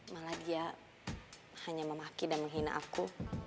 malah dia hanya memaki dan menghina aku